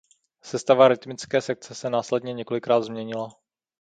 Sestava rytmické sekce se následně několikrát změnila.